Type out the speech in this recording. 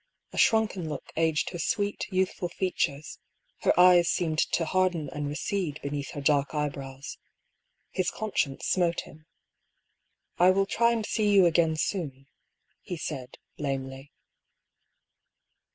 A shrunken look aged her sweet youthful features, her eyes seemed to harden and recede beneath her dark eyebrows. His conscience smote him. " I will try and see you again soon," he said, lamely.